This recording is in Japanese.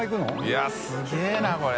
いやすげぇなこれ。